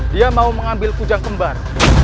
dia mau mengambil kujang kembar